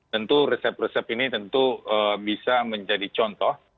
tentu resep resep ini tentu bisa menjadi contoh